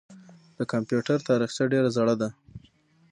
د کمپیوټر تاریخچه ډېره زړه ده.